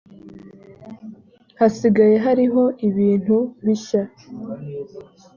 hasigaye hariho ibintu bishya.